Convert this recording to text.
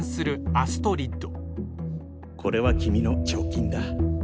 アストリッド！